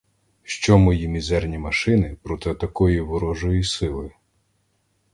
Що мої мізерні машини проти такої ворожої сили?